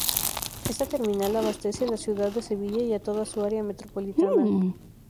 Esta terminal abastece a la ciudad de Sevilla y a toda su área metropolitana.